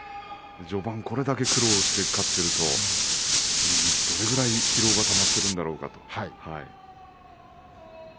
序盤、これだけ苦労して勝っているとどれだけ疲労がたまっているんだろうかと。